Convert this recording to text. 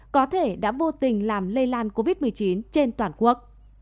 có thể đã vô tình làm lây lan covid một mươi chín trên toàn quốc